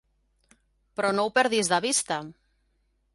Però no ho perdis de vista.